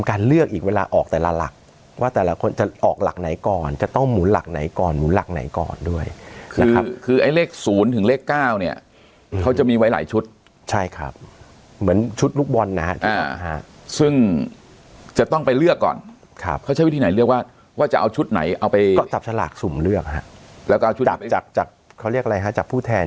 เลือกอีกเวลาออกแต่ละหลักว่าแต่ละคนจะออกหลักไหนก่อนจะต้องหมุนหลักไหนก่อนหมุนหลักไหนก่อนด้วยนะครับคือไอ้เลข๐ถึงเลข๙เนี่ยเขาจะมีไว้หลายชุดใช่ครับเหมือนชุดลูกบอลนะฮะซึ่งจะต้องไปเลือกก่อนครับเขาใช้วิธีไหนเลือกว่าว่าจะเอาชุดไหนเอาไปจับสลากสุ่มเลือกฮะแล้วก็เอาชุดจับจากจากเขาเรียกอะไรฮะจากผู้แทน